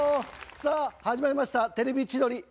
さあ始まりました『テレビ千鳥』。